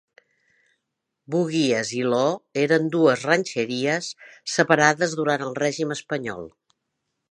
Buguias i Loo eren dues "rancherias" separades durant el Règim espanyol.